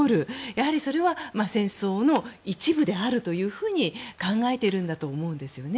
やはりそれは戦争の一部であるというふうに考えているんだと思うんですよね。